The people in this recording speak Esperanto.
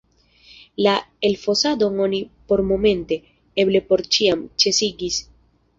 La elfosadon oni pormomente, eble por ĉiam, ĉesigis.